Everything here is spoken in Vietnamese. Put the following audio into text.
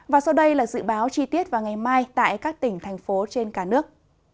và sau đây là dự báo chi tiết vào ngày mai tại các tỉnh thành phố trên cả nước